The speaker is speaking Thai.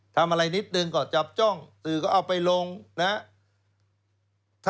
ทำอะไรนิดนึงก็จับจ้องสื่อก็เอาไปลงนะครับ